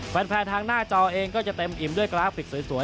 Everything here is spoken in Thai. ทางหน้าจอเองก็จะเต็มอิ่มด้วยกราฟิกสวย